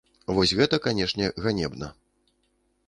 Вось гэта, канешне, ганебна.